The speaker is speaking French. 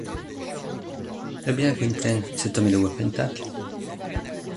Eh bien, Gwynplaine, cet homme est le wapentake ?